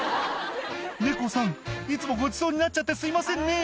「猫さんいつもごちそうになっちゃってすいませんねぇ」